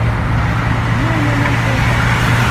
Лиӓй мӓмнӓн хоза...»